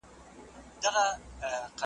د ھرادیب او ھرشاعرنه مې پوښتنه وکړه